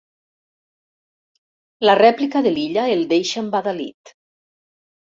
La rèplica de l'Illa el deixa embadalit.